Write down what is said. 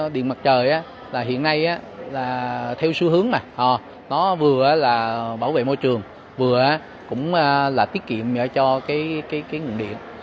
điện mặt trời hiện nay là theo xu hướng mà nó vừa là bảo vệ môi trường vừa cũng là tiết kiệm cho cái nguồn điện